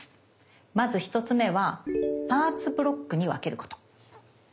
まず１つ目はパーツ・ブロックに分けること。